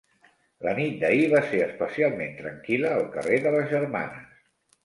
La nit d'ahir va ser especialment tranquil·la al carrer de les Germanes.